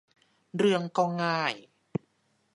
เรื่องก็ง่าย